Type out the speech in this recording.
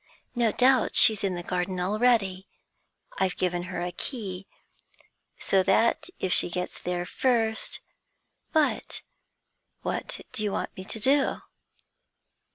'No doubt she's in the garden already. I've given her a key, so that if she gets there first But what do you want me to do?'